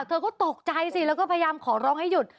เธอก็ตกใจสิแล้วก็พยายามขอร้องให้หยุด